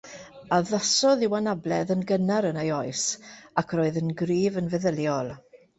Addasodd i'w anabledd yn gynnar yn ei oes, ac roedd yn gryf yn feddyliol.